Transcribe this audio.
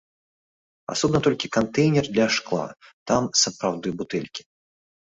Асобна толькі кантэйнер для шкла, там сапраўды бутэлькі.